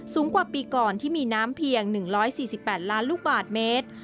สูงกว่าปีก่อนที่มีน้ำเพียง๑๔๘ล้านลูกบาทเมตร